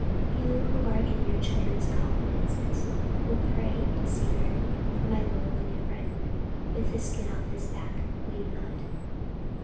You who are in your children's confidences will pray in secret for my lonely friend with the skin off his back, will you not?